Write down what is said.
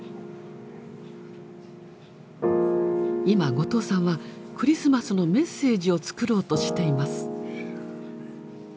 今後藤さんはクリスマスのメッセージを作ろうとしています。